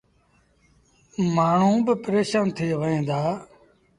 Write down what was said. مآڻهوٚݩ با پريشآن ٿئي وهيݩ دآ۔